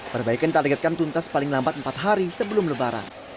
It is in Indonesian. perbaikan targetkan tuntas paling lambat empat hari sebelum lebaran